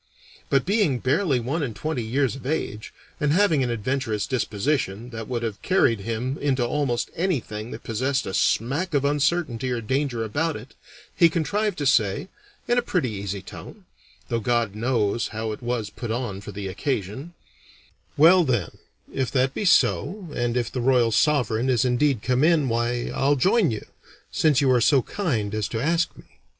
But being barely one and twenty years of age, and having an adventurous disposition that would have carried him into almost anything that possessed a smack of uncertainty or danger about it, he contrived to say, in a pretty easy tone (though God knows how it was put on for the occasion): "Well, then, if that be so, and if the Royal Sovereign is indeed come in, why, I'll join you, since you are so kind as to ask me."